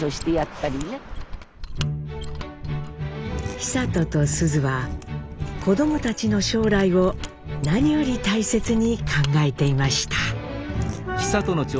久渡と須壽は子どもたちの将来を何より大切に考えていました。